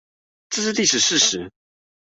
這是歷史事實